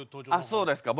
そうですか